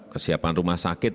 kesiapan rumah sakit